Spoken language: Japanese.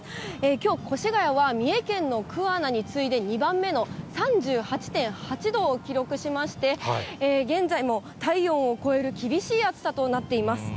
きょう、越谷は三重県の桑名に次いで２番目の３８．８度を記録しまして、現在も体温を超える厳しい暑さとなっています。